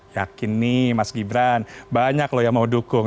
yakin nih mas gibran banyak loh yang mau dukung